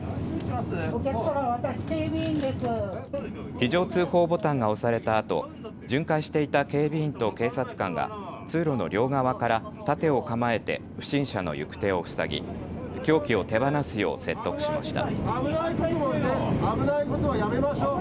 非常通報ボタンが押されたあと巡回していた警備員と警察官が通路の両側から盾を構えて不審者の行く手を塞ぎ、凶器を手放すよう説得しました。